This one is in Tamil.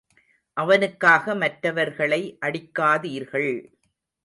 அவனுக்காக மற்றவர்களை அடிக்காதீர்கள்.